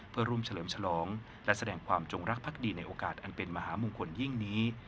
เพื่อร่วมเฉลิมฉลองและแสดงความจงรักภักดีในโอกาสอันเป็นมหามงคลยิ่งนี้